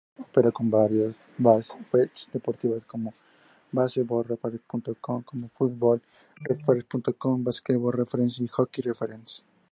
Opera con varias webs deportivas como Baseball-Reference.com, Pro-Football-Reference.com, Basketball Reference, y Hockey Reference.